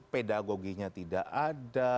pedagoginya tidak ada